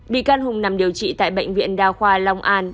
bị can hùng nằm điều trị tại bệnh viện đa khoa long an